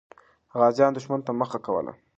غازیان دښمن ته مخه کوله.